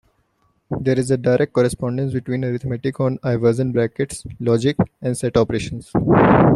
There is a direct correspondence between arithmetic on Iverson brackets, logic, and set operations.